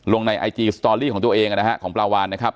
ในไอจีสตอรี่ของตัวเองนะฮะของปลาวานนะครับ